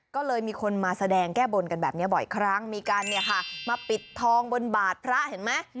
ก็เลยมีคนมาแสดงแก้บนกันแบบนี้บ่อยครั้งมีการมาปิดทองบนบาทพระเห็นไหม